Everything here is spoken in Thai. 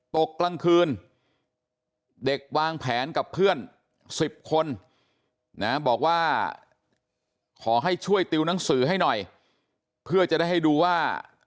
ตกกลางคืนเด็กวางแผนกับเพื่อน๑๐คนนะบอกว่าขอให้ช่วยติวหนังสือให้หน่อยเพื่อจะได้ให้ดูว่า